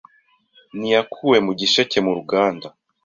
N’iyakuwe mu gisheke mu ruganda